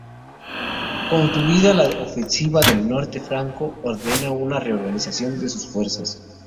Concluida la Ofensiva del Norte, Franco ordena una reorganización de sus fuerzas.